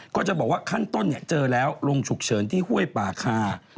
ก็จะบอกว่าขั้นต้นเจอแล้วลงฉุกเฉินที่ห้วยป่าคา